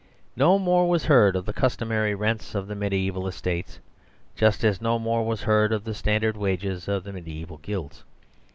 No more was heard of the customary rents of the mediaeval estates ; just as no more was heard of the standard wages of the mediaeval guilds.